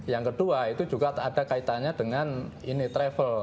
yang kedua itu juga ada kaitannya dengan ini travel